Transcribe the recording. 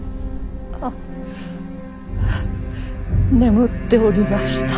あ眠っておりました。